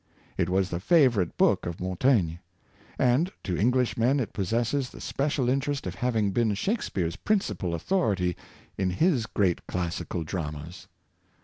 It was the favorite book of Montaigne; and to Englishmen it possesses the special interest of having been Shaks peare's principal authority in his great classical dramas.